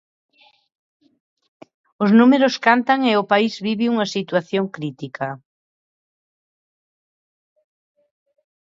Os números cantan e o país vive unha situación crítica.